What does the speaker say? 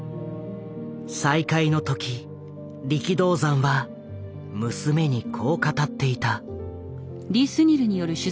再会の時力道山は娘にこう語っていた。